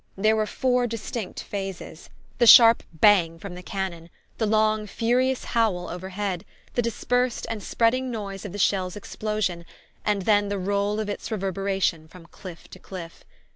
There were four distinct phases: the sharp bang from the cannon, the long furious howl overhead, the dispersed and spreading noise of the shell's explosion, and then the roll of its reverberation from cliff to cliff.